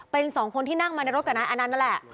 เป็นสองคนที่นั่งมาในรถกับนายอนันต์นั่นแหละ